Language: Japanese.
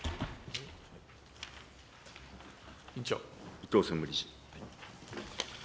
伊藤専務理事。